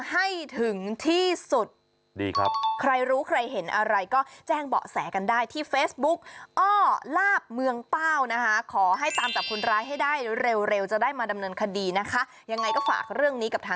ให้ถึงที่สุดดีครับใครรู้ใครเห็นอะไรก็แจ้งเบาะแส